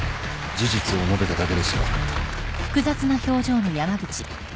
事実を述べただけですよ。